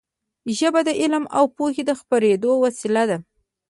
ژبه د علم او پوهې د خپرېدو وسیله ده.